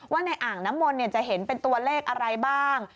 ว่าในอ่างน้ำมนต์จะเห็นเป็นตัวเลขอะไรบ้าง